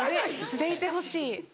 素でいてほしい？